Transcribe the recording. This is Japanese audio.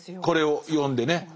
これを読んでね。